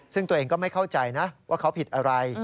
ซึ่งตัวเองก็ไม่เข้าใจนะว่าเขาผิดอะไร